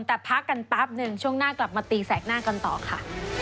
แต่พักกันแป๊บหนึ่งช่วงหน้ากลับมาตีแสกหน้ากันต่อค่ะ